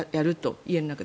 家の中で。